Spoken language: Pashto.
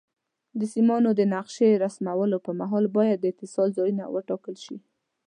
د سیمانو د نقشې رسمولو پر مهال باید د اتصال ځایونه وټاکل شي.